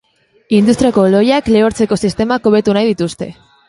Industriako lohiak lehortzeko sistemak hobetu nahi dituzte.